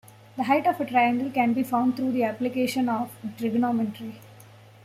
The height of a triangle can be found through the application of trigonometry.